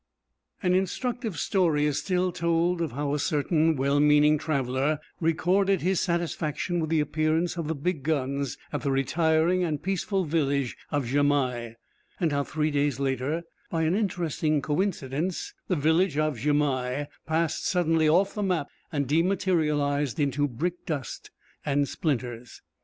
An instructive story is still told of how a certain well meaning traveller recorded his satisfaction with the appearance of the big guns at the retiring and peaceful village of Jamais, and how three days later, by an interesting coincidence, the village of Jamais passed suddenly off the map and dematerialised into brickdust and splinters.